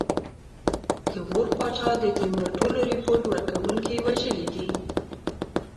د غور پاچا د تیمور ټول رپوټ ورکوونکي وژلي دي.